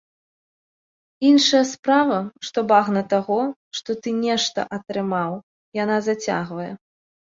Іншая справа, што багна таго, што ты нешта атрымаў, яна зацягвае.